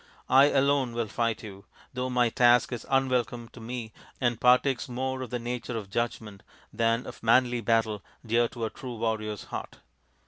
I alone will fight you, though my task is unwelcome to me and partakes more of the nature of judgment than of the manly battle dear to a true warrior's heart."